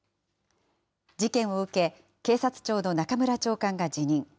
事件を受け、警察庁の中村長官が辞任。